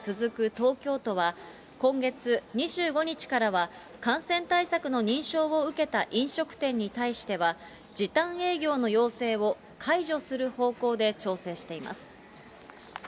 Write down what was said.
東京都は、今月２５日からは、感染対策の認証を受けた飲食店に対しては、時短営業の要請を解除する方向で調整しています。